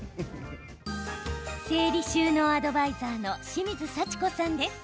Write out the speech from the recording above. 整理収納アドバイザーの清水幸子さんです。